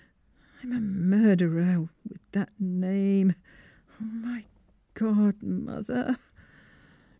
I'm a murderer with that name. My God, mother!